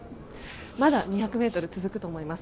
まだ２００ｍ続くと思います。